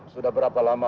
sudah berapa lama